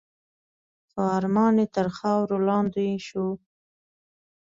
خو ارمان یې تر خاورو لاندي شو .